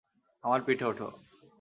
আমার পিঠে ওঠো।